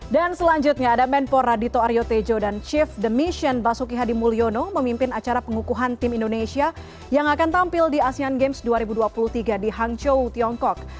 selanjutnya ada menpora dito aryo tejo dan chief the mission basuki hadimulyono memimpin acara pengukuhan tim indonesia yang akan tampil di asean games dua ribu dua puluh tiga di hangzhou tiongkok